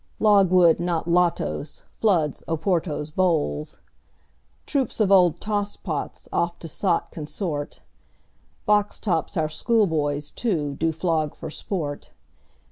Logwood, not lotos, floods Oporto's bowls. Troops of old tosspots oft to sot consort. Box tops our schoolboys, too, do flog for sport.